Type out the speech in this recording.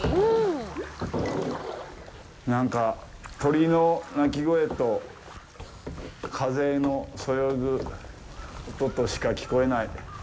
なんか鳥の鳴き声と風のそよぐ音しか聞こえない。